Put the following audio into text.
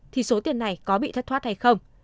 thì số tiền này có bị thất thoát hay không